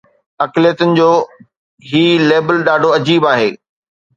اقليتن جو هي ليبل ڏاڍو عجيب آهي.